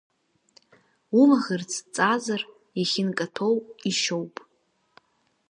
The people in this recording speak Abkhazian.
Улаӷырӡ ҵаазар, иахьынкаҭәо ишьоуп.